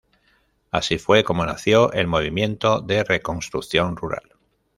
Así fue como nació el Movimiento de Reconstrucción Rural.